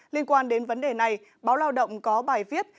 liên quan đến vấn đề này báo lao động có bài viết